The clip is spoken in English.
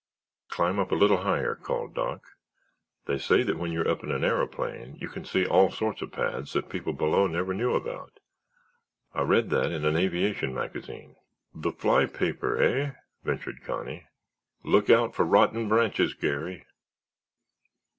"Climb up a little higher," called Doc. "They say that when you're up in an aeroplane you can see all sorts of paths that people below never knew about. I read that in an aviation magazine." "The Fly paper, hey?" ventured Connie. "Look out for rotten branches, Garry."